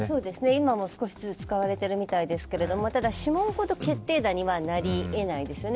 今も少しずつ使われているみたいですけどただ指紋ほど決定打にはなりえないですよね。